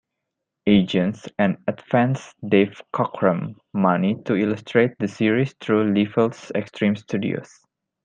Agents, and advanced Dave Cockrum money to illustrate the series through Liefeld's Extreme Studios.